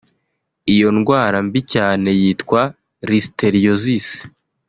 Iyo ndwara mbi cyane yitwa Listeriosis